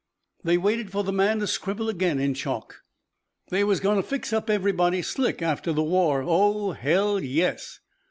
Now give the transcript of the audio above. They waited for the man to scribble again in chalk. "They was goin' to fix up everybody slick after the war. Oh, hell, yes."